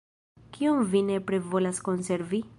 Kion vi nepre volas konservi?